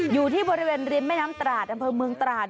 อยู่ที่บริเวณริมแม่น้ำตราดอำเภอเมืองตราด